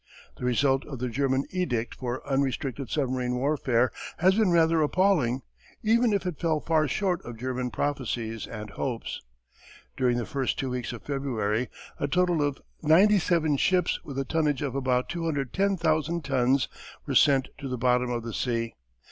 The result of the German edict for unrestricted submarine warfare has been rather appalling, even if it fell far short of German prophesies and hopes. During the first two weeks of February a total of ninety seven ships with a tonnage of about 210,000 tons were sent to the bottom of the sea.